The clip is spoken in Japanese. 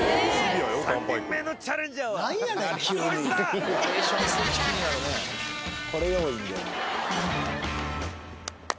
３人目のチャレンジャーはこいつだ！